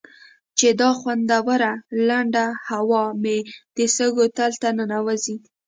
چې دا خوندوره لنده هوا مې د سږو تل ته ننوځي.